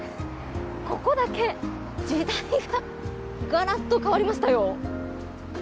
ここだけ時代がガラッと変わりましたよ。